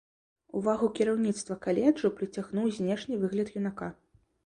Увагу кіраўніцтва каледжу прыцягнуў знешні выгляд юнака.